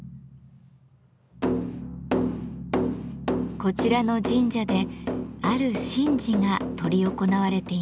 こちらの神社である神事が執り行われていました。